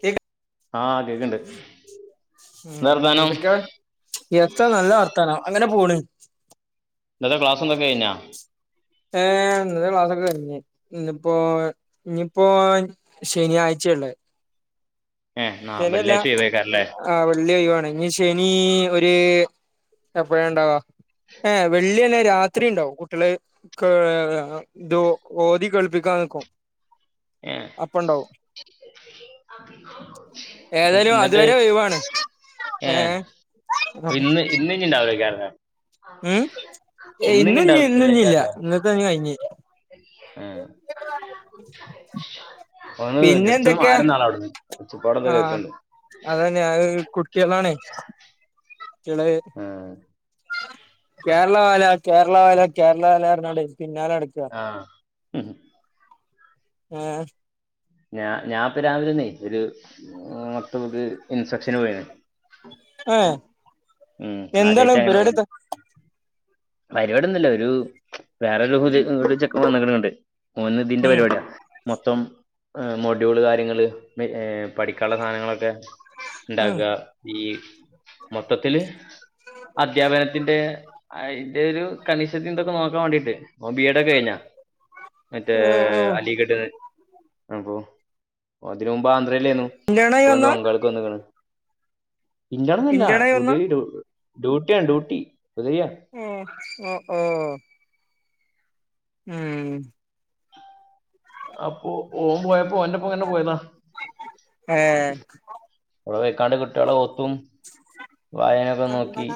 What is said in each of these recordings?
കേക്ക ആഹ് കേക്ക്ണ്ട് ഉം എന്താ വർത്താനം ന്തൊക്കെ എത്താ നല്ല വർത്താനം അങ്ങനെ പോണ് ഇന്നത്തെ ക്ലാസും തൊക്കഴിഞ്ഞാ ഏഹ് ഇന്നത്തെ ക്ലാസ് ഒക്കെ കയിഞ്ഞ് ഇന്ന്പ്പോ ഇഞ്ഞ്‌പ്പോ ശനിയാഴ്ചയള്ളേ ഏഹ് ആഹ് വെള്ള്യയ്ച്ച ഒഴിവാക്കാരല്ലേ ആഹ് വെള്ളി ഒഴിവാണ് ഇനി ശനി ഒര് എപ്പഴാ ണ്ടാവ ഏഹ് വെള്ളിയന്നെ രാത്രിണ്ടാവും കുട്ടിയള് ഇത് ഓതി കേൾപ്പിക്കാൻ നിക്കും ഏഹ് അപ്പ ഇണ്ടാവും ഏതായാലും എന്നിട്ട് അതുവരെ ഒഴിവാണ് ഏഹ് ഇന്ന് ഇന്ന് ഇഞ്ഞ് ഇണ്ടാവില്ലയ്ക്കാരല്ലെ ഇന്ന് ഇഞ്ഞ്ണ്ടാവില്ലേക്കാരല്ലേ ഇന്ന്കഴിഞ്ഞ് ഏഹ് ഒന്ന് പിന്നെ ജസ്റ്റ് എന്തൊക്കെ ഒന്ന്മാറിന്നാളെ അവിടുന്ന് ഒച്ചപ്പടെന്തൊ ആ കേൾക്ക്ണ്ട് അത് ഞാൻ ഒരു കുട്ട്യാളാണേ കുട്ടികള് ഏഹ് കേരള വാല കേരള വാല കേരള വാല പറഞ്ഞ്ക്കാണ്ടെ പിന്നാലെ നടക്കാ ആഹ് ഉം ഏഹ് ഞാ ഞാൻപ്പ രാവിലെനീച്ചല് ഒരു [unintelligible] ഇൻസെക്ഷന് കൂടയാണ് ഏഹ് എന്താണ് പരിപാടിയെത്താ? പരിപാടൊന്നുല്ല ഒരു വേറെ ഒരു പുതയ ഒരു ചെക്കൻ വന്നക്ക്‌ണ് ഇങ്ങട്ട് ഓന് ഇതിന്റെ ഉം പരിപാടിയാ മൊത്തം മോഡ്യൂള് കാര്യങ്ങള് ഏഹ് പഠിക്കാനുള്ള സാധനങ്ങളൊക്കെ ഉം ഇണ്ടാക്കാ ഈ മൊത്തത്തില് അദ്ധ്യാപനത്തിന്റെ ആ ഇതൊ ഒരു കണീഷത്തി ഇന്തൊക്കെ നോക്കാൻ വേണ്ടീട്ട് ഓൻ ബി എഡ് ഒക്കെ കഴിഞ്ഞാ മറ്റേ ഓഹ് ഓഹ് അലിഗഡന്ന് അപ്പൊ ഓൻ തിന് മുമ്പ് ആന്ധ്രയിലെന്നു ഇന്റേണായി ഇപ്പൊ ഇങ്ങണ്ട് വന്നാ ബങ്കാൾക്ക് വന്നക്ക്ണ് ഇന്റൊടൊന്നുല്ല ഇന്റേണായി വന്നാ ഡ്യൂട്ടിയാണ് ഡ്യൂട്ടി ഹുതവിയാ ഏഹ് ഓ ഓ ഉം അപ്പൊ ഓൻ പോയപ്പോ ഓന്റെപ്പോ ഇങ്ങനെ പോയതാ ഏഹ് അവടെ പോയ്ക്കാണ്ട് കുട്ടികളെ ഓത്തും വായനൊക്കെ ഒന്ന് നോക്കി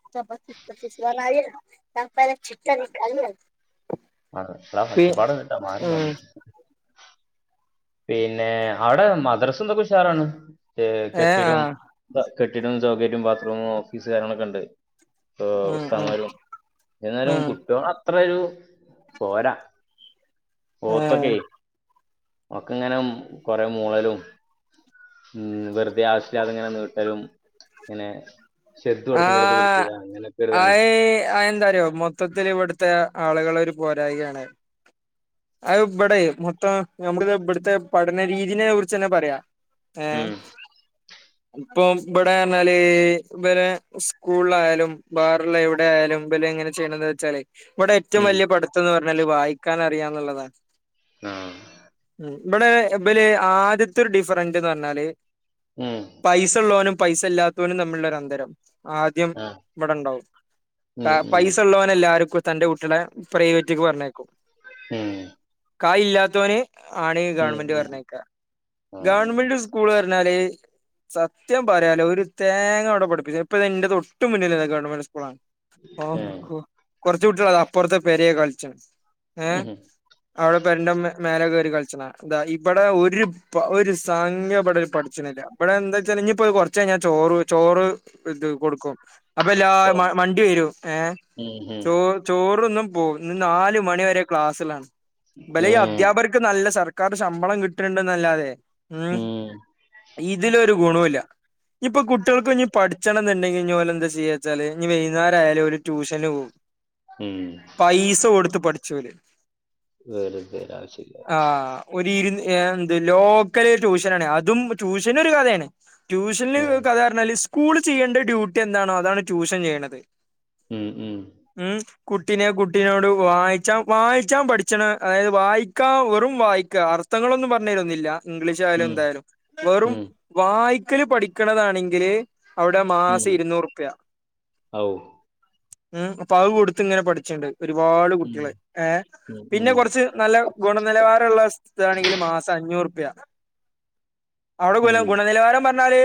[unintelligible] പി ഉം [unintelligible] പിന്നെ അവിടെ മദ്രസും ഇതൊക്കെ ഉഷാറാണ് ഏഹ് കെട്ടിടം ആഹ് കെട്ടിടും സൗകര്യവും ബാത്റൂമും ഓഫീസ് കാര്യങ്ങളൊക്കെ ഉണ്ട്. ഉം ഉം ഉസ്താമാരും എന്നാലും ഉം കുട്ടികളൊ അത്രൊരു പോരാ ഏഹ് ഓത്തൊക്കെ ഒക്കെ ഇങ്ങനെ കൊറെ മൂളലും ഉം വെറുതെ ആവശ്യല്ലാതെ ഇങ്ങനെ നീട്ടലും പിന്നെ ആഹ് ഇതാണ് ആയി അതെന്താറിയോ മൊ മൊത്തത്തിൽ ഇവിടുത്തെ ആളുകളെ ഒരു പോരായികയാണ് അത് അത് ഇവിടെ മൊത്തം നമ്മളിതാ ഇടുത്തെ പഠന രീതിനെ കുറിച്ച് തന്നെ പറയാം ഏഹ് ഉം ഇപ്പ ഇബട പറഞ്ഞാല് വരെ സ്കൂളിലായാലും ബാറല്ലെ എവിടെ ആയാലും ഇമ്പല് എങ്ങനെ ചെയ്യണ വെച്ചാലേ ഇവിടെ ഏറ്റവും ഉം വലിയ പഠ ഠിത്തംന്ന് പറഞ്ഞാല് വായിക്കാൻ അറിയാന്നുള്ളതാ ആഹ് ഇവിടെ ഇബല് ആദ്യത്തെ ഒരു ഡിഫറൻറ് എന്ന് പറഞ്ഞാല് ഉം പൈസ ഉള്ളവനും പൈസ ഇല്ലാത്തവനും തമ്മിലുള്ള ഒരു അന്തരം ആദ്യം ആ ഇവിടെ ഉണ്ടാവും ഉം ഉം പൈസ ഉള്ളവനെ എല്ലാവർക്കും തന്റെ കുട്ടികളെ പ്രൈവറ്റ്ക്ക് പറഞ്ഞയക്കും. ഉം കായി ഇല്ലാത്തോന് ആണ് ഈ ഗവൺമെന്റ് പറഞ്ഞേക്ക ഗവൺമെന്റ് സ്കൂ സ്കൂൾ പറഞ്ഞാല് സത്യം പറയാലോ ഒരു തേങ്ങ അവിടെ പഠിപ്പിചൂല ഇപ്പതാ ഇന്റെ തൊട്ട് മുന്നിലെന്നേ ഗവൺമെന്റ് സ്കൂളാണ് അപ്പൊ കുറച്ചു കുട്ടിയളതാ അപ്പുറത്തെ പെരേ കളിച്ചിണ് ഏഹ് അവിടെ പെരന്റെ മേ മേലെ കേറി കളിച്ച്ണതാ ഇതാ ഇവിടെ ഒരു ഒരു സംഗതി ഇവിടെ പഠിച്ചനില്ല. ഇവിടെ എന്താ വച്ചാല് ഇഞ്ഞി ഇപ്പ കുറച്ച് കഴിഞ്ഞാ ചോറ് ചോറ് ഇത് കൊടുക്കും അപ്പല്ലാരും മണ്ടി വരും ഏഹ് ചോറ് ചോറ്ന്നും പോകും ഇന്ന് നാല് മണി വരെ ക്ലാസ്സ് ഉള്ളാണ് ഇബലെ ഈ അധ്യാപകറ് അധ്യാപകർക്ക്‌ നല്ല സർക്കാർ ശമ്പളം കിട്ട്ണ്ട്ന്നല്ലാതെ ഉം ഇതിലൊരു ഗുണോല്ല ഇഞ്ഞ് ഇപ്പൊ കുട്ടികൾക്ക്‌ ഇഞ്ഞ് പഠിച്ചണം എന്നുണ്ടെങ്കിൽ ഇഞ്ഞ് ഓൽ എന്താ ചെയ്യാച്ചാല് ഇനി വൈന്നാരായാലും ഓര് ട്യൂഷന് പോവും. ഉംഹ്. പൈസ കൊടുത്ത് പഠിച്ചോല്. വെറുതെ ആവശ്യല്ലാതെ. ആഹ് ഒരു എന്ത് ലോക്കല് ട്യൂഷനാണ് അതും ട്യൂഷനൊരു കഥയാണ് ട്യൂഷന്ൽ ഏ കഥ പറഞ്ഞാല് സ്കൂള് ചെയ്യേണ്ട ഡ്യൂട്ടി എന്താണോ അതാണ് ട്യൂഷൻ ചെയ്യണത്. ഉംഹ് ഉംഹ്. ഉംഹ്. കുട്ടിനെ കുട്ടിനോട് വായിച്ച വായിച്ചാ പഠിച്ചണ് അതായത് വായിക്കാ വെറും വായിക്ക അ. അർത്ഥങ്ങളൊന്നും പർഞ്ഞെരൊന്നുല്ല. ഇംഗ്ലീഷ് ആയാലും ഉം എന്തായാലും വെറും ഉം വായിക്കല് പഠിക്കണതാണെങ്കില്. അവിടെ മാസം ഉം ഇരുന്നൂറ് പ്യ. ഔ ഉംഹ് അപ്പൊ അഹ് കൊടുത്ത്ങ്ങനെ പഠിച്ചിണ്ട് ഒരുപാട് ഉം കുട്ടികള് ഏഹ് ഉം പിന്നെ ഉം കൊറ്ച്ച്. നല്ല ഗുണനിലവാരമുള്ളതാണെങ്കില് മാസം അഞ്ഞൂറ് പ്യ അവിടെ ഉം ഗുണനിലവാരം പറഞ്ഞാല്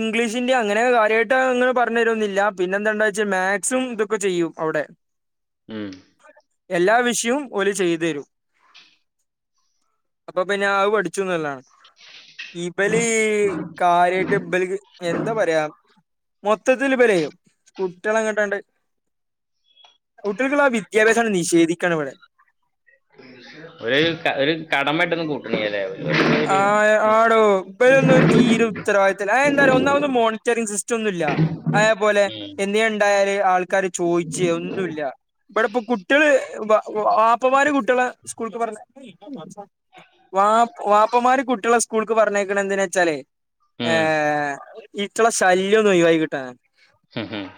ഇംഗ്ലീഷി. ഇല്ല്യ അങ്ങനെ കാര്യായിട്ട് അങ്ങനെ പറഞ്ഞെരുന്നില്ല പിന്നെ എന്താണ്ടാ വെച്ചാ മാക്സും ഇതൊക്കെ ചെയ്യും അവിടെ. ഉംഹ്. എല്ലാ വിഷയും ഓല് ചെയ്തു തരും. അപ്പൊ പിന്നെ അത് പഠിച്ചുന്നുംല്ലതാണ്. ഇബലീ കാര്യായിട്ട് ഇബല്ക്ക് എന്താ പറയാ. മൊത്തത്തിൽ ഇബരെ കുട്ട്യാളെങ്ങട്ടാണ്ട്. കുട്ടികൾക്കുള്ള ആ വിദ്യാഭ്യാസാണ്ട് നിഷേധിക്കാണ് ഇവിടെ. ഒര് ഒരു കടംമായിട്ടൊന്നും കൂട്ട്ണില്ലല്ലേ. ആഹ്. ആടോ ഇബരൊന്നും ഒരു തീരെ ഉത്തരവാദിത്തം ഇല്ല അത് എന്താറിയോ ഒന്നാമത് മോണിറ്ററിംഗ് സിസ്റ്റം ഒന്നും ഇല്ല. അതേപോലെ ഉം എന്തേണ്ടായാല് ആൾക്കാര് ചോയ്ച്ചെ ഒന്നുല്ല. ഇവിടെ ഇപ്പ കുട്ടികള് വാപ്പമാര് കുട്ടികളെ സ്കൂൾക്ക് പറഞ്ഞ വാ വാപ്പമാര് കുട്ടികളെ സ്കൂൾക്ക് പറഞ്ഞേക്കണത് എന്ത്നാന്ന് വെച്ചാലേ. ഉം ഏഹ് ഇറ്റള ശല്യന്നൊഴിവായ്കിട്ടാന. ഉംഹ് ഉംഹ്.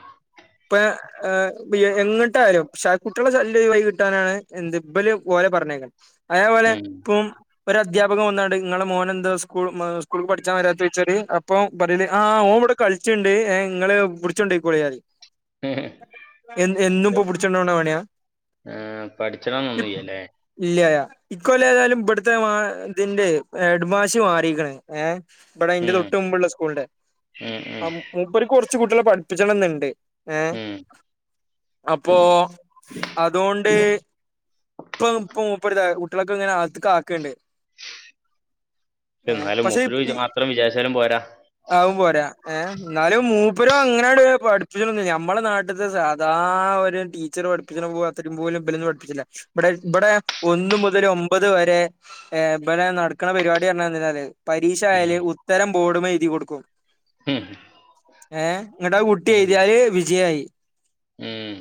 പ്പ്യ. ഏഹ് എങ്ങ്ട്ടായാലും ശ കുട്ടികളെ ശല്യം ഒഴിവായ്കിട്ടാനാണ് എന്ത് ഇബല് ഓലെ പറഞ്ഞയ്ക്ക്ണ്. അതേപോലെ ഉം ഇപ്പും. അധ്യാപകൻ വന്നാണ്ട് ഇങ്ങളെ മോനെന്ത സ്കൂള് സ്കൂൾക്ക് പഠിച്ചാ വരാത്ത് ചൊയ്ച്ചാല് അപ്പം പറേല് ആഹ് ഓൻ ഇവ്ടെ. കളിച്ചിണ്ട് ഏഹ് ഇങ്ങള് പുട്ച്ച് കൊണ്ടൊയ്ക്കോളിം പറിയ് എൻ എന്നും ഇപ്പൊ പുട്ച്ചൊണ്ടോണ പണിയാ. ഏഹ് പഠിച്ച്ണം ഒന്നിയ്യലേ ഇല്ല്യ. ഇക്കൊല്ലം ഏതായാലും ഇവിട്ത്തെ മാ ഇതിന്റെ എഡ്മാശ് മാറീക്ക്ണ്. ഏഹ് ഇബടെ ഇന്റെ ഉം തൊട്ട് മുമ്പുള്ള സ്കൂളിന്റെ. ഉം അ ഉം മൂപ്പര്ക്ക് കൊറ്ച്ച് കൂട്ട്യേളെ പഠിപ്പിച്ചണം ന്ന്ണ്ട്. ഉം. അപ്പൊ അതോണ്ട് ഇപ്പം ഇപ്പ മുപ്പര്താ. കുട്ട്ളക്കങ്ങനെ അകത്ത്ക്കാക്ക്ൺണ്ട്. ഇന്നാലും മുപ്പര് മാത്രം വിചാരിച്ചാലും പോര. അവും പോര ഏഹ് ഇന്നാലും മൂപ്പരും അങ്ങനണ്ട് പഠിപ്പിച്ചൊണുന്നില്ല. ഞമ്മളെ നാട്ട. ട്ട്ത്തെ സാധാ ഒരു ടീച്ചർ പഠിപ്പിച്ച്ണ പോൽ അത്രി. പോലും ഇബലൊന്നും പഠിപ്പിച്ചിണില്ല. ഇബടെ ഇബടെ ഒന്ന് മുതല് ഒമ്പത് വരെ. ഏഹ് ഇബടെ നടക്ക്ണ പരിപാടി പറഞ്ഞാല് എന്തെന്നറിയോ ഉം പരീക്ഷായാല് ഉത്തരം ബോർഡ്മ്മെ എഴുതി കൊടുക്കും. ഉം ഏഹ് ഇങ്ങ്ട്ട അഹ് കുട്ടി ഉം. എഴുതിയാല് വിജയായി. ഉം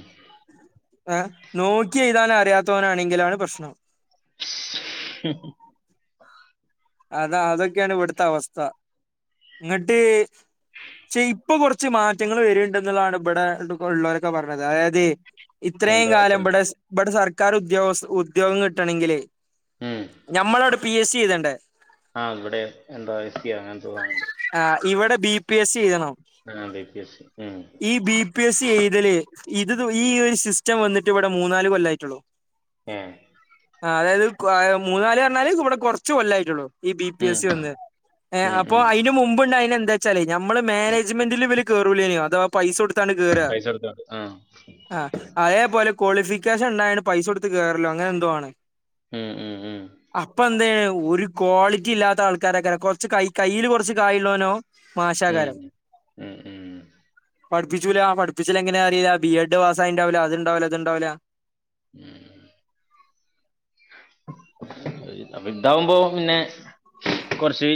ഏഹ് നോക്കി എഴുതാന് അറിയാത്തോനാണെങ്കിലാണ് പ്രശ്നം മ് അതാ അതൊക്ക്യാണ് ഇവിട്ത്ത അവസ്ഥ ഇങ്ങ്ട്ട് പക്ഷെ ഇപ്പൊ കൊർച്ച് മാറ്റങ്ങള് വരണ്ട് ന്നുള്ളതാണ് ഇവിടെ ഉള്ളോരൊക്ക പറഞ്ഞത് അതായത് ഇത്രയും എന്ത് കാലം മാറ്റം ഇബടെ ഇബടെ സർക്കാർ ഉദ്യോഗസ്ഥ ഉദ്യോഗം കിട്ടണെങ്കില് ഉം ഞമ്മളട് പീ. എസ്സി എഴ്തണ്ടെ ആഹ് ഇബടെ എന്തൊ എസ്സ്യൊ അങ്ങനെന്തൊ വേണം ആഹ് ഇവ്ടെ ബീ പി എസ്സി എയ്തണം ആ ബി പി എസ് സി ഉം ഈ ബീ പി എസി എയ്തല് ഇത് ഈ ഒരു സിസ്റ്റം വന്നിട്ട് ഇവ്ടെ മൂന്നാല് കൊല്ലായിട്ടൊള്ളു ഏഹ് ആഹ് അതായത് മൂന്നാല് പറ്ഞ്ഞാല് ഇവ്ടെ കൊർച്ച് കൊല്ലായിട്ടൊള്ളു ഈ ബീ പി ഉം എസ്സി വന്ന് ഏഹ് ഉം അപ്പോ ഉം അയിന്റെ മുമ്പ് ഇണ്ടായ്ന എന്ത ചാല് നമ്മളെ മാനേജ്മെന്റില് ഇവല് കേറൂലേനു അഥവാ പൈസ കൊടുത്താണ്ട് കേറ പൈസ കൊടുത്തോണ്ട് ആ ആഹ് അയേ പോലെ കോളിഫിക്കേഷൻ ഇണ്ടായാണ് പൈസ കൊടുത്ത് കേറലൊ അങ്ങനെ എന്തോ ആണ് ഉം ഉം ഉം അപ്പ എന്തെയ്യ്ണ് ഒര് ക്വാളിറ്റി ഇല്ലാത്ത ആൾക്കാരക്കാരം കൊർച്ച് കൈ കയ്യില് കൊർച്ച് കായുള്ളോനൊ ഉം മാശക്കാരം ഉം ഉം പഠിപ്പിച്ചൂല പഠപ്പിച്ചല് എങ്ങനെ അറീല്ല ബി എഡ് പാസായിണ്ടാവൂല അത്ണ്ടാവുല ഇത്ണ്ടാവുല ഉം ഇതാവുമ്പൊ പിന്നെ കൊർച്ച്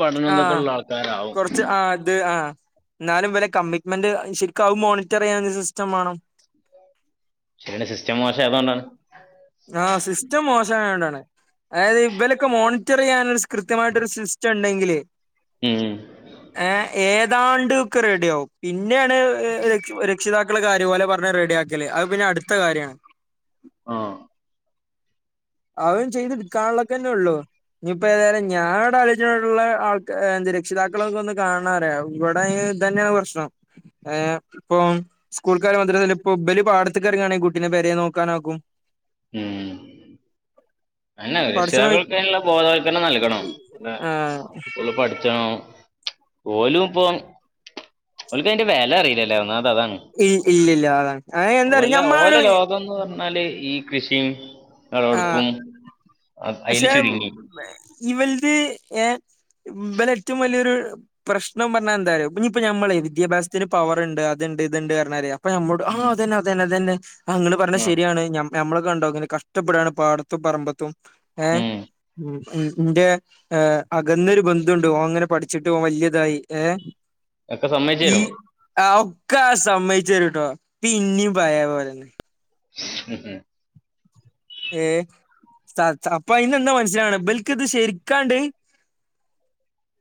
പഠനം ആഹ് ഇതൊക്കള്ള ആൾക്കാരാവും കൊറച്ച് ആഹ് അത് ആഹ് ഇന്നാലും ഇവല കമ്മിറ്റ്മെന്റ് ശരിക്കും അവും മോണിറ്ററിയ്യാന് സിസ്റ്റം വാണം ഇതിന്റെ സിസ്റ്റം മാശേതാണ് ആഹ് സിസ്റ്റം മോശയോണ്ടാണ് അതായത് ഇവല്ക്ക്‌ മോണിറ്റർ ചെയ്യാൻ കൃത്യമായിട്ടൊരു സിസ്റ്റം ഇണ്ടെങ്കിലെ ഏഹ് ഏഹ് ഏതാണ്ട് ഒക്കെ റെഡി ആവും പിന്നേ അണ് രക്ഷ് രക്ഷിതാ കൾ കാര്യം ഓലെ പറഞ് റെഡി ആക്കല് അത് പിന്നെ അട്ത്ത കാര്യാണ് ആഹ് അവൻ ചെയ്ത് കാള്ളൊക്കെന്നെ ഒള്ളൂ ഇനിയിപ്പെ ഏതായാലും ഞാൻ ഇവിടെ ആലോചിച്ചട്ടുള്ള ആൾ എന്ത് രക്ഷിതാക്കളൊക്കെ ഒന്ന് വന്ന് കാണാറിയാ ഇവടെ ഇങ്ങനെ അതന്നെയാ പ്രശ്നം ഏഹ് ഇപ്പം സ്കൂൾക്കാര് മാത്രല്ല ഇപ്പൊ ഇബര് പാടത്തിക്കറങ്ങാണെങ്കി കുട്ടിനെ പേരെ നോക്കാനാക്കും ഉം അയ്ന പടച്ചോനെ രക്ഷിതാക്കൾക്ക് അയ്നുള്ള ബോധവൽക്കരണം നൽകണം അല്ല ആഹ് കുട്ടിയാള് പഠിച്ചണം ഓലും ഇപ്പോ ഓല്ക്ക് അയിന്റെ വെല അറിയില്ലല്ലേ ഒന്നാത് അതാണ് ഇ ഇല്ലില്ല അതാണ് അ എന്തറിയോ ഞമ്മളാവിടെ വന്ന് പറഞ്ഞാല് ഈ കൃഷിയും ആഹ് വെളവെടുപ്പും പക്ഷെ ഇവൽത് ഏഹ് ഇബലെ ഏറ്റവും വല്യ ഒരു പ്രശ്നം പർഞ്ഞാ എന്താറിയോ ഇനിയിപ്പ നമ്മളെ വിദ്യാഭ്യാസത്തിന് പവറുണ്ട് അത്ണ്ട് ഇത്ണ്ട് പർഞ്ഞറിയാ ഇപ്പൊ നമ്മോട് ആ ഉം അതന്നെ അതന്നെ അതന്നെ ആ ഇങ്ങള് പർഞ്ഞെ ഉം ശരിയാണ് ഞമ് ഞമ്മളെ കണ്ടോ ഇങ്ങന കഷ് ടപ്പെടാണ് പാടത്തും പറമ്പത്തും ഏഹ് ഉം ഉം ഉം ഇന്റെ ഏഹ് അകന്നൊരു ബന്ധുണ്ട് ഓങ്ങനെ പഠിച്ചിട്ട് ഓൻ വല്യ ഇതായി ഏഹ് ഒക്കെ സമ്മയിച്ചേരും ആ ഒക്കെ ആ സമ്മയിച്ചെരുട്ടോ പിന്നിം പയെ പോലെന്നെ ഉം ഉം ഏഹ് സത്ര അപ്പ അയിന്നെന്താ മനസ്സിലാവണത് ഇബൽക്ക് ഇത് ശരിക്കാണ്ട്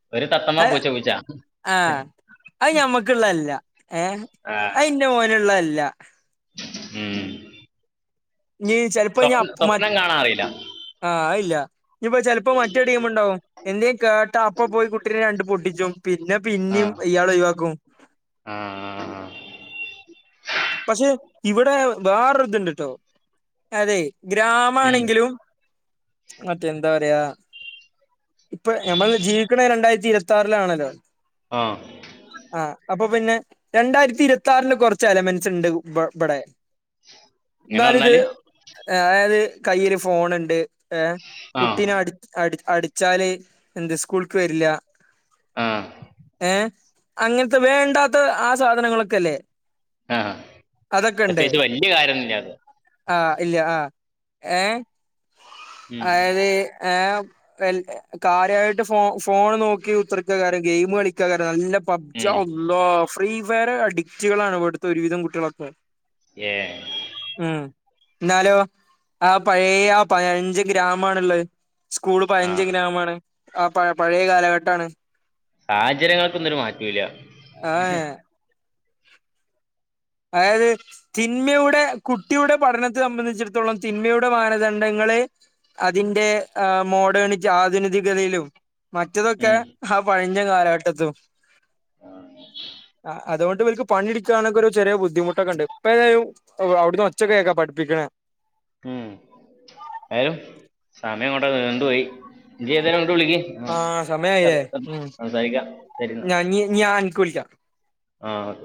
ഇവര് തത്തമ്മ അത് പൂച്ച പൂച്ച ഏഹ് ഉം ഇക്ക്ള്ള അല്ല ഏഹ് ആയ് ഇന്റെ മോന്ള്ള അല്ല ഉം നീ ചലപ്പോ ഇനി സ്വപ്ന അപ്പ് മ സ്വപ്നം കാണാൻ അറിയില്ല ആഹ് ഇല്ല ഇനിപ്പ ചിലപ്പോ മറ്റേ ടിം ഉണ്ടാവും എന്തേലും കേട്ടാ അപ്പ പോയി കു ട്ടിനെ രണ്ട് പൊട്ടിച്ചും പിന്നെ പിന്നെയും ഇയാൾ ഒഴിവാക്കും ആഹ് ആഹ് പക്ഷെ ഇവിടെ വേറൊതിട്ണ്ടോ അതെ ഉം ഗ്രാമാണെങ്കിലും മറ്റേ എന്താ പറയാ ഇപ്പൊ നമ്മൾ ജീവിക്കണ രണ്ടായിരത്തി ഇരുപ ത്താറിലാണല്ലോ ആഹ് ആഹ് അപ്പൊ പിന്നെ രണ്ടായിരത്തി ഇരുപതാറില് കുറച്ച് എലമെൻ സ്ണ്ട് ഇവ ഇവിടെ ഇങ്ങനെ എന്നാലിത് പറഞ്ഞാല് അതായത് കയ്യിൽ ഫോണുണ്ട് ഏഹ് ആ കുട്ടീനെ അടി അടി അടിച്ചാല് എന്ത് സ്കൂൾക്ക് വരില്ല ആഹ് ഏഹ് അങ്ങനത്തെ വേണ്ടാത്ത ആ സാധനങ്ങളൊക്കെ അല്ലേ ആഹ് ആഹ് അതൊക്കെണ്ട് ആഹ് ഇല്ല ആഹ് ഏഹ് ഉം അതായത് ഏഹ് കാൽത് കാര്യയിട്ട് ഫോ ഫോൺ നോക്കി കുത്തർക്കാകാരം ഗെയിം കളിക്കാ കാരണം നല്ല പബ്ജിയ ഉം ഉല്ലോ ഫ്രീ ഫയർ അഡിക്റ്റുകളാണ് ഇവിടുത്തെ ഒരുവിധം കുട്ടികളൊക്കെ ഏഹ ഉം എന്നാലോ ആഹ പഴയ ആഹ പതിനഞ്ച് ഗ്രാമണുള്ളത് സ്കൂള് ആ പഴഞ്ചം ഗ്രാമമാണ് ആഹ പഴ പഴയ കാലഘട്ടമാണ് സാഹചര്യങ്ങൾക്കൊന്നും ഒരു മാറ്റല്ല ആ അതായത് തിന്മയുടെ കുട്ടിയുടെ പഠനത്തെ സംബന്ധിച്ചിടത്തോളം തിന്മയുടെ മാനദണ്ഡങ്ങള് അതിന്റെ മോഡേൺ ആധുനികികതയിലും മറ്റതൊക്കെ ഉം ആഹ പഴഞ്ചൻ കാലഘട്ടത്തും ആഹ അതുകൊണ്ട് ഇവർക്ക് പണിടിക്കാനൊക്കൊരു ചെറിയ ബുദ്ധിമുട്ടൊക്കെ ഉണ്ട് ഇപ്പോ ഏതായും അവിടുന്ന് ഒച്ചക്ക കേക്ക പഠിപ്പിക്കണേ ഉം ആലും സമയം കടെ കണ്ടു പോയി ഈ ഏതനും അങ്ങോട്ട് വിളിക്കി ആ ആഹ സമയായില്ലേ ഉം സംസാരിക്കാം ശരിന്ന ഞാൻ ഇനി ഞാൻ അനക്ക് വിളിക്കാം ആഹ